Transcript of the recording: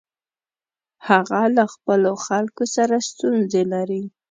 هغه له خپلو خلکو سره ستونزې لري.